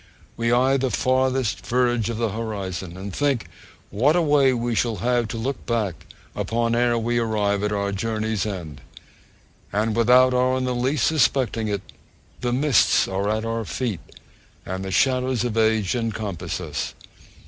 We eye the farthest verge of the horizon, and think what a way we shall have to look back upon, ere we arrive at our journey's end; and without our in the least suspecting it, the mists are at our feet, and the shadows of age encompass us.